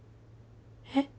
えっ？